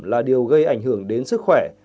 là điều gây ảnh hưởng đến sức khỏe